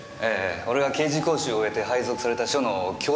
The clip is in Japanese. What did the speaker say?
俺が刑事講習終えて配属された署の教育係でした。